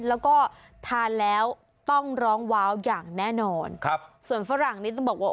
แล้วก็ทานแล้วต้องร้องว้าวอย่างแน่นอนครับส่วนฝรั่งนี้ต้องบอกว่า